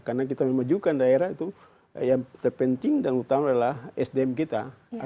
karena kita memajukan daerah itu yang terpenting dan utama adalah sdm kita